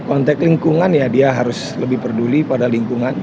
konteks lingkungan ya dia harus lebih peduli pada lingkungan